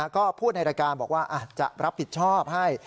ก็พูดในรายการบอกว่าจะรับผิดชอบให้